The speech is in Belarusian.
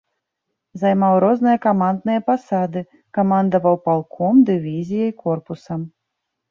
Займаў розныя камандныя пасады, камандаваў палком, дывізіяй, корпусам.